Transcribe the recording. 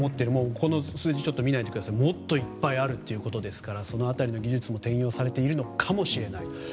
ここの数字よりもっといっぱいあるということでうからその辺りの技術も転用されているのかもしれない。